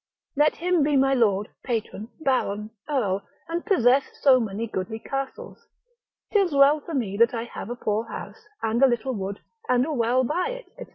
Let him be my lord, patron, baron, earl, and possess so many goodly castles, 'tis well for me that I have a poor house, and a little wood, and a well by it, &c.